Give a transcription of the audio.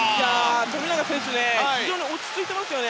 富永選手落ち着いていますよね。